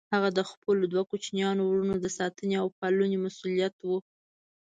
هغه د خپلو دوه کوچنيو وروڼو د ساتنې او پالنې مسئوليت و.